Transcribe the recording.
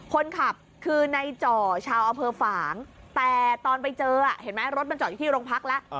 คนขับคือในจ่อชาวอเภอฝางแต่ตอนไปเจออะเห็นมั้ยรถมันจ่อยที่ที่โรงพยาบาลแล้ว